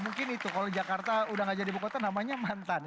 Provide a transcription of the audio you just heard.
mungkin itu kalau jakarta udah gak jadi ibu kota namanya mantan